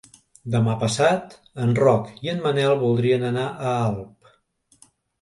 Demà passat en Roc i en Manel voldrien anar a Alp.